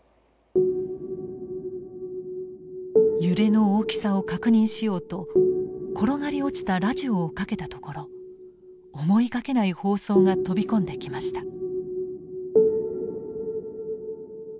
揺れの大きさを確認しようと転がり落ちたラジオをかけたところ思いがけない放送が飛び込んできました。